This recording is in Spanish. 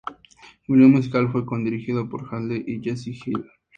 El video musical fue co-dirigido por Halsey y Jessie Hill.